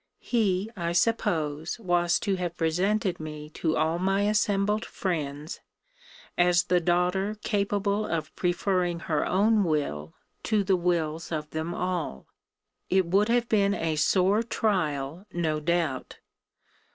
He, I suppose, was to have presented me to all my assembled friends, as the daughter capable of preferring her own will to the wills of them all. It would have been a sore trial, no doubt.